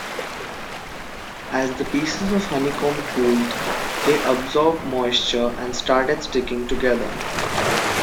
As the pieces of honeycomb cooled, they absorbed moisture and started sticking together.